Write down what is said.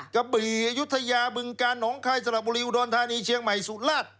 กระบือยุธยาบึงกาหนองไข่สระบุรีอุดรฐานีเชียงใหม่สุรรัส